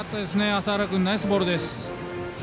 麻原君、ナイスボールです。